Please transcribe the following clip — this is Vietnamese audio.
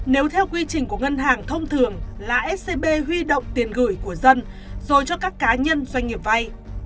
nếu theo quy trình của ngân hàng thông thường là scb huy động tiền gửi của dân rồi cho các cá nhân doanh nghiệp vay